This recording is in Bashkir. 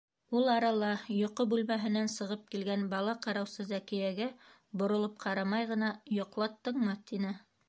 Ул арала йоҡо бүлмәһенән сығып килгән бала ҡараусы Зәкиәгә боролоп ҡарамай ғына: - Йоҡлаттыңмы? - тине.